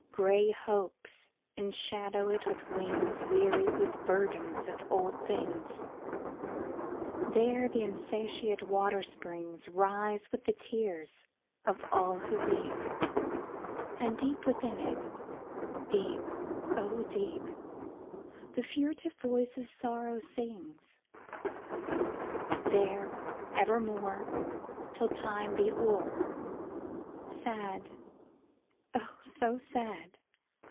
Gray Hopes enshadow it with wingsWeary with burdens of old things:There the insatiate water springsRise with the tears of all who weep:And deep within it,—deep, oh, deep!—The furtive voice of Sorrow sings. There evermore, Till Time be o'er, Sad, oh, so sad!